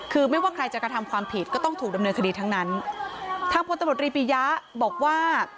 คือไม่ว่าใครจะกระทำความผิดก็ต้องถูกดำเนินคดีทั้งนั้นทางพลตำรวจรีปิยะบอกว่า